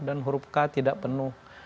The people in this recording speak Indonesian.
dan huruf k tidak penuh